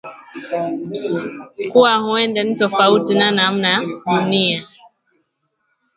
kuwa huenda ni tofauti na namna dunia